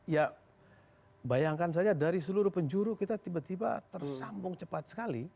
ya bayangkan saja dari seluruh penjuru kita tiba tiba tersambung cepat sekali